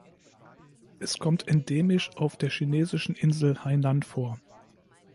Es kommt endemisch auf der chinesischen Insel Hainan vor.